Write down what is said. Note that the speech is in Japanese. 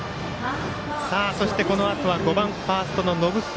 このあとは５番ファーストの延末。